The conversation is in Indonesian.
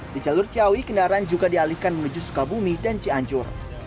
di jalur ciawi kendaraan juga dialihkan menuju sukabumi dan cianjur